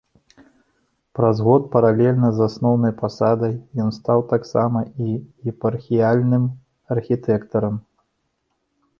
Праз год паралельна з асноўнай пасадай ён стаў таксама і епархіяльным архітэктарам.